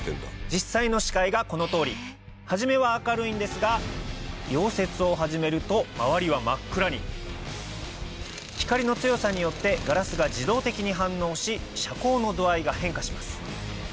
実際の視界がこの通り初めは明るいんですが溶接を始めると周りは真っ暗に光の強さによってガラスが自動的に反応し遮光の度合いが変化します